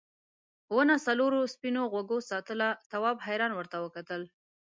ونه څلورو سپین غوږو ساتله تواب حیران ورته وکتل.